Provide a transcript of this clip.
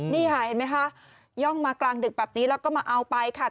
นี่ค่ะเห็นไหมคะย่องมากลางดึกแบบนี้แล้วก็มาเอาไปค่ะ